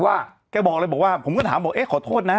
ว่าแกบอกเลยผมก็ถามขอโทษนะ